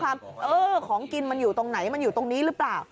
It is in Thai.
ของกินมันอยู่ตรงไหนมันอยู่ตรงนี้หรือเปล่า